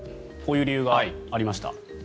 こういう理由がありました。